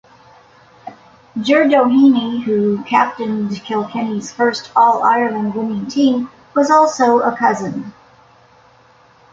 Jer Doheny, who captained Kilkenny's first All-Ireland winning team, was also a cousin.